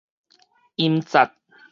音節